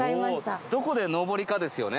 どこで上りかですよね